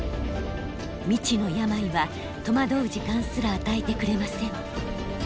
未知の病は戸惑う時間すら与えてくれません。